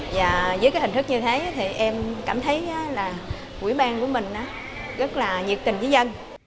và với cái hình thức như thế thì em cảm thấy là quỹ ban của mình rất là nhiệt tình với dân